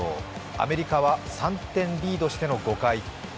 アメリカは３点リードしての５回。